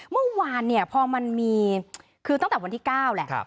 เมื่อวานเนี่ยพอมันมีคือตั้งแต่วันที่๙แหละ